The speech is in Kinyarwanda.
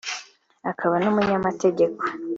akaba n’umunyamategeko